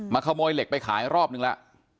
มาขโมยเหล็กไปขายรอบหนึ่งละ